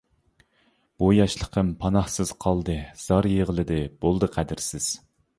بۇ ياشلىقىم پاناھسىز قالدى، زار يىغلىدى، بولدى قەدىرسىز.